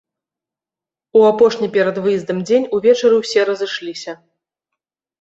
У апошні перад выездам дзень увечары ўсе разышліся.